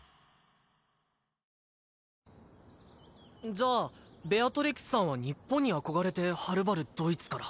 じゃあベアトリクスさんは日本に憧れてはるばるドイツから？